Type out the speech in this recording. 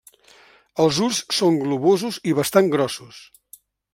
Els ulls són globosos i bastant grossos.